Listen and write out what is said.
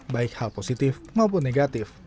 baik hal positif maupun negatif